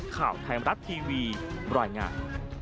ข่าวไทยมรัฐทีวีบรรยายงาน